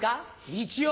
日曜